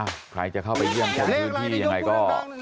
ใครจะเข้าไปเยี่ยมชมพื้นที่ยังไงก็